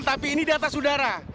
tapi ini di atas udara